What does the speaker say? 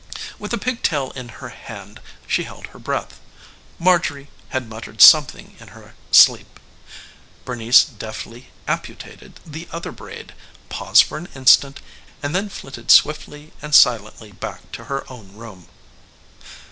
With the pigtail in her hand she held her breath. Marjorie had muttered something in her sleep. Bernice deftly amputated the other braid, paused for an instant, and then flitted swiftly and silently back to her own room.